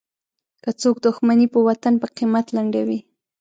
که څوک دوښمني په وطن په قیمت لنډوي.